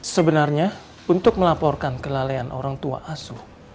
sebenarnya untuk melaporkan kelalaian orang tua asuh